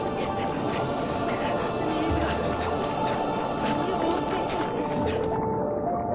「ミミズが街を覆っていく！」